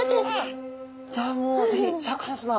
じゃあもう是非シャーク香音さま。